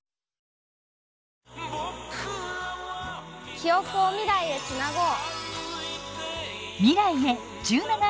記憶を未来へつなごう。